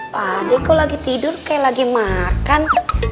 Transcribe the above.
pak d kok lagi tidur kayak lagi makan